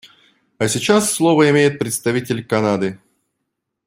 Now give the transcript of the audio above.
А сейчас слово имеет представитель Канады.